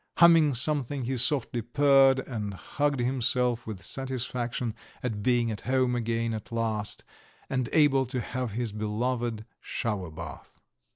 Humming something he softly purred and hugged himself with satisfaction at being at home again at last, and able to have his beloved shower bath.